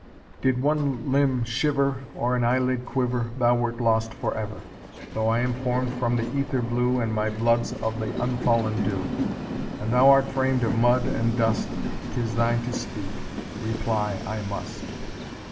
Did one limb shiver, Or an eyelid quiver, Thou wert lost for ever. Though I am form'd from the ether blue, And my blood is of the unfallen dew. And thou art framed of mud and dust, 'Tis thine to speak, reply I must."